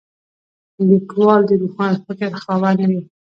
لیکوال د روښان فکر خاوند وي.